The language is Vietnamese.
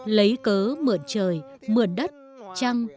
lấy cớ mượn trời mượn đất trăng